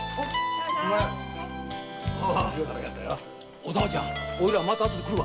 お玉ちゃんおいらまた後で来る。